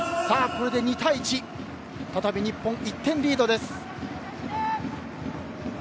これで２対１、再び日本が１点リードです。